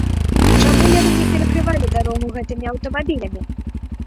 Чаму яны не перакрывалі дарогу гэтымі аўтамабілямі?